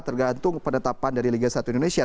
tergantung penetapan dari liga satu indonesia